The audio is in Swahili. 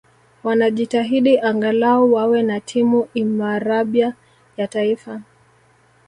wanajitahidi angalau wawe na timu imarabya ya taifa